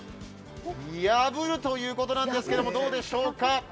これを一気に破るということなんですけども、どうでしょうか。